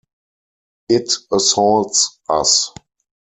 It assaults us.